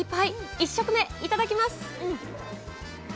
１食目、いただきます。